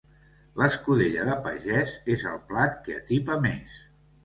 L'escudella de pagès és el plat que atipa més.